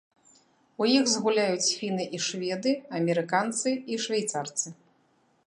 У іх згуляюць фіны і шведы, амерыканцы і швейцарцы.